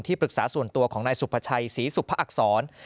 ปรึกษาส่วนตัวของนายสุภาชัยศรีสุภอักษร